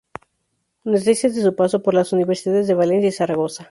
Noticias de su paso por las universidades de Valencia y Zaragoza.